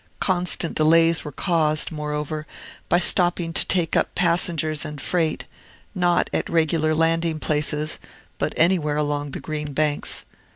Constant delays were caused, moreover, by stopping to take up passengers and freight, not at regular landing places, but anywhere along the green banks.